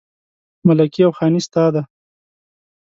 ملکي او خاني ستا ده